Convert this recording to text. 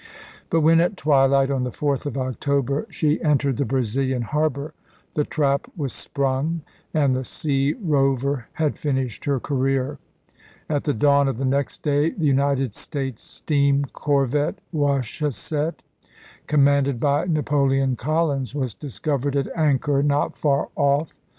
But when at twilight on the 4th of October she entered the Brazilian harbor, the trap was sprung and the sea rover had finished her career. At the dawn of the next day the United States steam cor vette Wachusett, commanded by Napoleon Collins, was discovered at anchor not far off.